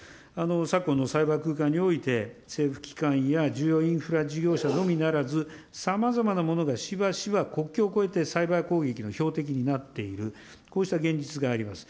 昨今のサイバー空間において、政府機関や重要インフラ事業者のみならず、さまざまなものが、しばしば国境を越えてサイバー攻撃の標的になっている、こうした現実があります。